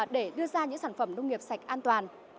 để đưa ra những sản phẩm nông nghiệp sạch an toàn